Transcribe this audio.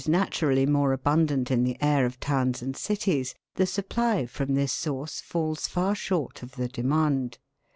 naturally more abundant in the air of towns and cities, the supply from this source falls far short of the demand.